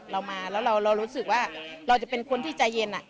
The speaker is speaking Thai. เรามาแล้วเรารู้สึกว่าเราจะเป็นคนที่ใจเย็น